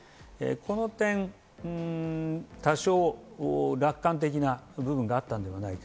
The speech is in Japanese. その点、多少、楽観的な部分があったのではないか。